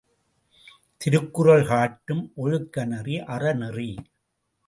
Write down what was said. திருக்குறள் காட்டும் ஒழுக்கநெறி அறநெறி.